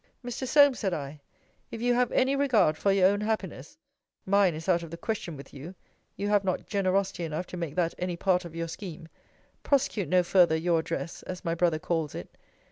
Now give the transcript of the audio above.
Mr. Solmes, said I, if you have any regard for your own happiness, (mine is out of the question with you, you have not generosity enough to make that any part of your scheme,) prosecute no father your address, as my brother calls it.